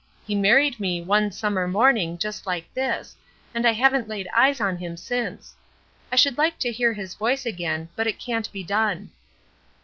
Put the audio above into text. He married me one summer morning just like this, and I haven't laid eyes on him since. I should like to hear his voice again, but it can't be done."